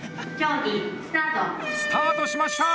スタートしました！